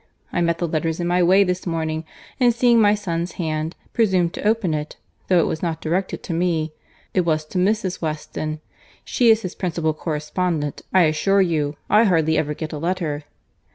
I met the letters in my way this morning, and seeing my son's hand, presumed to open it—though it was not directed to me—it was to Mrs. Weston. She is his principal correspondent, I assure you. I hardly ever get a letter."